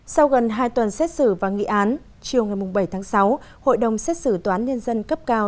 sau gần hai tuần xét xử và nghị án chiều ngày bảy tháng sáu hội đồng xét xử toán nhân dân cấp cao